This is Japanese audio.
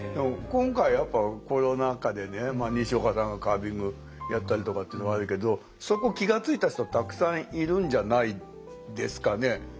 今回やっぱコロナ禍でねにしおかさんがカービングやったりとかっていうのはあるけどそこ気が付いた人たくさんいるんじゃないですかね。